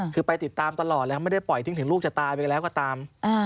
คือไปติดตามตลอดแล้วไม่ได้ปล่อยทิ้งถึงลูกจะตายไปแล้วก็ตาม